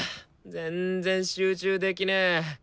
全然集中できねえ！